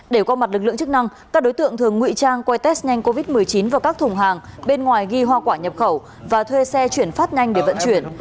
để qua mặt lực lượng chức năng các đối tượng thường ngụy trang quay test nhanh covid một mươi chín vào các thùng hàng bên ngoài ghi hoa quả nhập khẩu và thuê xe chuyển phát nhanh để vận chuyển